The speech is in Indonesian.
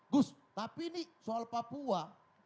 gus tapi ini soal papua